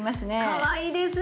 かわいいですね。